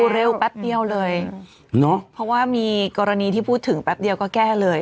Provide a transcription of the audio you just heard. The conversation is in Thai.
เร็วแป๊บเดียวเลยเนอะเพราะว่ามีกรณีที่พูดถึงแป๊บเดียวก็แก้เลย